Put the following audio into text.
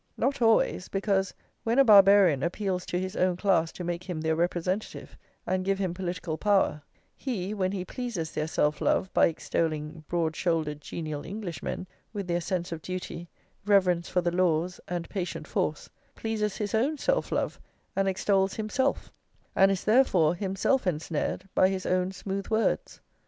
Not always; because, when a Barbarian appeals to his own class to make him their representative and give him political power, he, when he pleases their self love by extolling broad shouldered genial Englishmen with their sense of duty, reverence for the laws, and patient force, pleases his own self love and extols himself, and is, therefore, himself ensnared by his own smooth words.